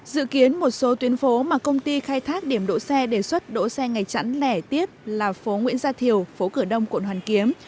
dự kiến một số tuyến phố mà công ty khai thác điểm đỗ xe đề xuất đỗ xe ngày chẵn lẻ tiếp là phố nguyễn gia thiều phố cửa đông quận hoàn kiếm